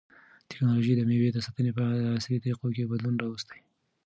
تکنالوژي د مېوو د ساتنې په عصري طریقو کې بدلون راوستی دی.